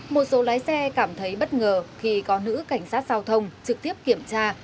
một số lái xe cảm thấy bất ngờ khi có nữ cảnh sát giao thông trực tiếp kiểm tra